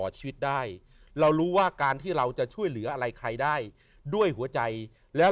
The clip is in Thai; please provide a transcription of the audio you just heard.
ชีวิตได้เรารู้ว่าการที่เราจะช่วยเหลืออะไรใครได้ด้วยหัวใจแล้ว